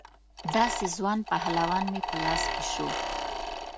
داسې ځوان پهلوان مې په لاس کې شو.